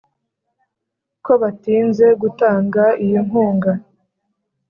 ko batinze gutanga iyi nkunga